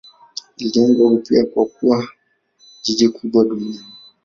Ilijengwa upya na kukua kuwa jiji kubwa duniani.